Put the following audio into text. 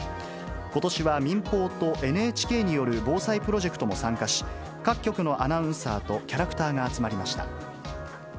ことしは民放とＮＨＫによる防災プロジェクトも参加し、各局のアナウンサーとキャラクターが集まりました。